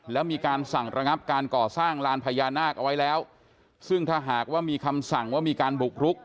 แล้วมีการสั่งระงับการก่อสร้างลานพญานาคเอาไว้แล้วซึ่งถ้าหากว่ามีคำสั่งว่ามีการบุกรุก